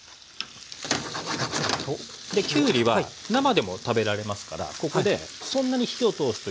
きゅうりは生でも食べられますからここでそんなに火を通すというよりもあっためる。